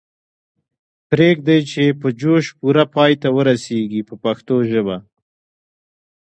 پریږدئ چې یې په جوش پوره پای ته ورسیږي په پښتو ژبه.